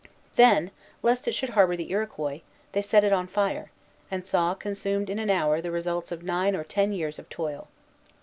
Then, lest it should harbor the Iroquois, they set it on fire, and saw consumed in an hour the results of nine or ten years of toil.